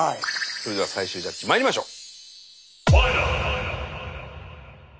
それでは最終ジャッジまいりましょう。